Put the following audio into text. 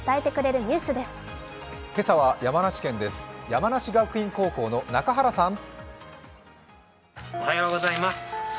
山梨学院高校の中原さん。